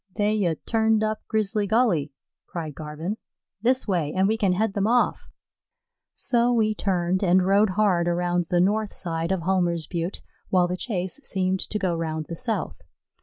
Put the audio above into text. "They 'ye turned up Grizzly Gully," cried Garvin. "This way, and we can head them off." So we turned and rode hard around the north side of Hulmer's Butte, while the chase seemed to go round the south.